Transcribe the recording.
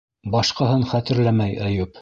Башҡаһын хәтерләмәй Әйүп.